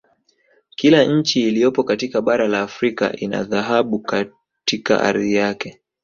Kila nchi ilyopo katika bara la Afrika ina dhahabu katika ardhi yake